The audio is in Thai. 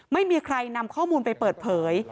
ไม่มีใครนำข้อมูลไปเปิดเผย